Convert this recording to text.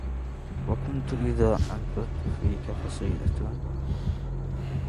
وكنت إذا أنفذت فيك قصيدة